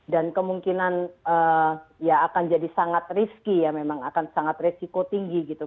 dan kemungkinan ya akan jadi sangat risiko tinggi gitu